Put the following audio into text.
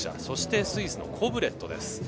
そしてスイスのコブレットです。